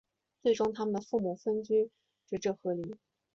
最终他们的父母分居直至和离。